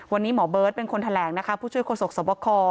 วันนี้หมอเบิร์ตเป็นคนแถลงนะคะผู้ช่วยโศกสวบค